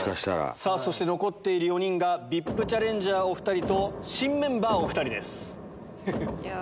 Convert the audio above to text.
そして残っている４人がＶＩＰチャレンジャーお２人と新メンバーお２人です。